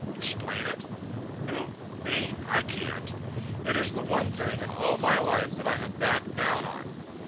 Explain it? Who?—me? I can't. It is the one thing in all my life that I have backed down on.